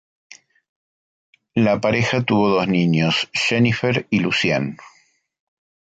La pareja tuvo dos niños, Jennifer y Lucien.